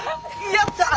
やったな！